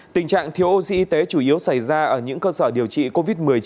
tình trạng thiếu oxy y tế chủ yếu xảy ra ở những cơ sở điều trị covid một mươi chín